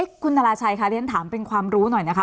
เอ๊ะคุณนาราชัยคะฉันถามเป็นความรู้หน่อยนะคะ